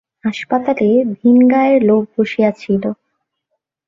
হাসপাতালে ভিনগাঁয়ের লোক বসিয়া ছিল।